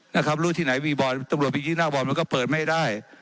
นะครับรู้ที่ไหนมีบ่อนตรวจไปยื้อหน้าบ่อนมันก็เปิดไม่ได้